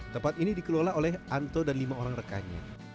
tempat ini dikelola oleh anto dan lima orang rekannya